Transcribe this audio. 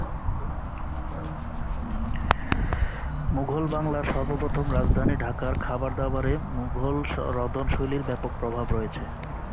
মুঘল বাংলার সর্বপ্রথম রাজধানী ঢাকার খাবার-দাবারে মুঘল রন্ধনশৈলীর ব্যাপক প্রভাব রয়েছে।